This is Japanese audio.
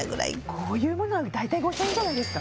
こういうものは大体５０００円じゃないですか？